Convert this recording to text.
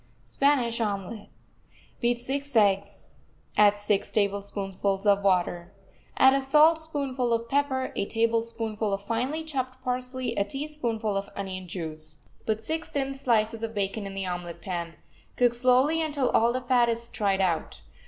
SPANISH OMELET Beat six eggs. Add six tablespoonfuls of water. Add a saltspoonful of pepper, a tablespoonful of finely chopped parsley, a teaspoonful of onion juice. Put six thin slices of bacon in the omelet pan. Cook slowly until all the fat is tried out.